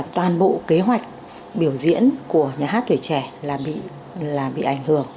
toàn bộ kế hoạch biểu diễn của nhà hát tuổi trẻ bị ảnh hưởng